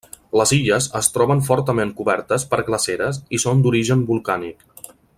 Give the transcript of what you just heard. Les illes es troben fortament cobertes per glaceres i són d'origen volcànic.